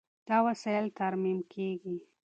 دا وسایل ترمیم کېږي.